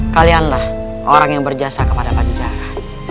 kalianlah orang yang berjasa kepada pada jara